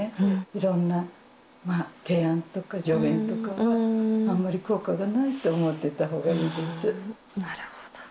いろんな提案とか助言とかは、あまり効果がないと思っておいたなるほど。